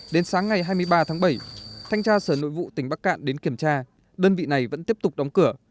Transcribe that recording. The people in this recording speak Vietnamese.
đến sáng ngày hai mươi ba tháng bảy thanh tra sở nội vụ tỉnh bắc cạn đến kiểm tra đơn vị này vẫn tiếp tục đóng cửa